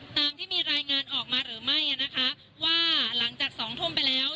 ตามที่มีรายงานออกมาหรือไม่นะคะว่าหลังจากสองทุ่มไปแล้ว